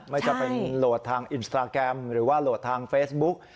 ไม่จะเป็นโหลดทางอินสตราแกรมหรือว่าโหลดทางเฟซบุ๊ก